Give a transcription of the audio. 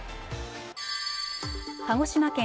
鹿児島県